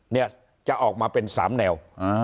เนี่ยจะออกมาเป็น๓แนว